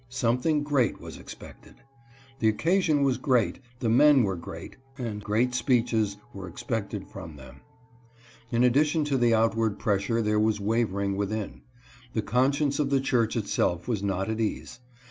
Something great was expected. The occasion was great, the men were great, and great speeches were expected from them. In addition to the outward pressure there was wavering within. The conscience of the church itself was not at «ase.